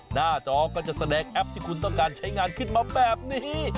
หน้าจอก็จะแสดงแอปที่คุณต้องการใช้งานขึ้นมาแบบนี้